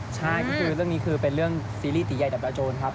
ใช่ก็คือเรื่องนี้คือเป็นเรื่องซีรีสตีใหญ่ดับกระโจนครับ